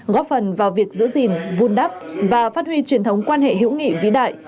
góp phần vào việc giữ gìn vun đắp và phát huy truyền thống quan hệ hữu nghị vĩ đại